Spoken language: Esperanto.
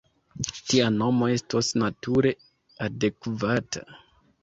Tia nomo estos nature adekvata.